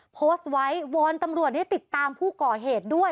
โพสต์ไว้วอนตำรวจให้ติดตามผู้ก่อเหตุด้วย